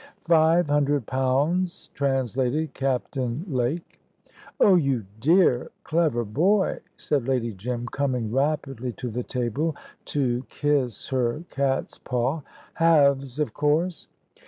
"Five hundred pounds," translated Captain Lake. "Oh, you dear, clever boy!" said Lady Jim, coming rapidly to the table to kiss her catspaw. "Halves, of course."